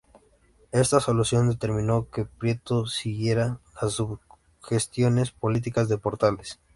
Esta solución determinó que Prieto siguiera las sugestiones políticas de Portales.